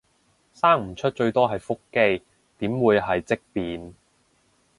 生唔出最多係腹肌，點會係積便